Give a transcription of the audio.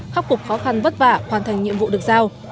khắc phục khó khăn vất vả hoàn thành nhiệm vụ được giao